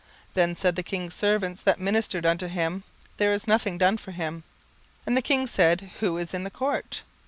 Then said the king's servants that ministered unto him, There is nothing done for him. 17:006:004 And the king said, Who is in the court?